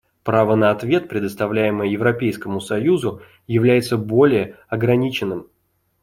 Право на ответ, предоставляемое Европейскому союзу, является более ограниченным.